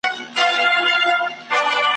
د چا غوڅیږي پښې او لاسونه ,